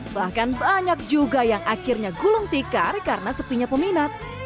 bahkan banyak juga yang akhirnya gulung tikar karena sepinya peminat